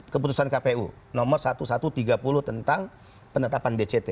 keputusan kpu nomor seribu satu ratus tiga puluh tentang penetapan dct